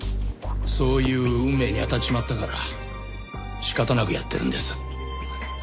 そういう運命に当たっちまったから仕方なくやってるんです。